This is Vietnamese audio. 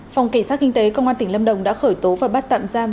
phòng cảnh sát kinh tế công an tỉnh lâm đồng đã khởi tố và bắt tạm giam